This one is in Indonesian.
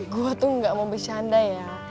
gue tuh gak mau bercanda ya